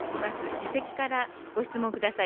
自席からご質問ください。